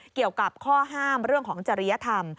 เกี่ยวกับข้อห้ามเรื่องของจริยธรรม